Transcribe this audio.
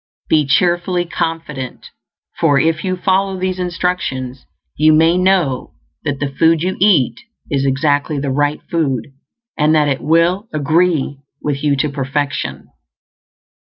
Be cheerfully confident, for if you follow these instructions you may KNOW that the food you eat is exactly the right food, and that it will "agree" with you to perfection.